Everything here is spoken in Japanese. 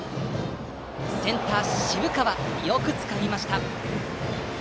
センター、渋川よくつかみました！